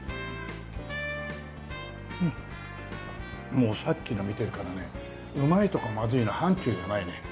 もうさっきの見てるからねうまいとかまずいの範疇じゃないね。